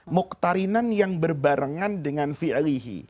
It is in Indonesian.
muktarinan yang berbarengan dengan fi'lihi